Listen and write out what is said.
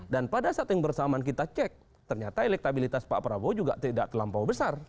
dan pada saat yang bersamaan kita cek ternyata elektabilitas pak prabowo juga tidak terlampau besar